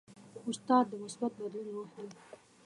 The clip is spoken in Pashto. استاد د مثبت بدلون روح دی.